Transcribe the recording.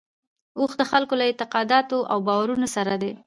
اوښ د خلکو له اعتقاداتو او باورونو سره دی.